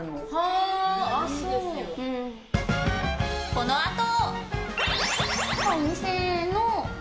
このあと。